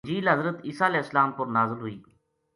انجیل حضٖرت عیسی علیہ السلام اپر نازل ہوئی۔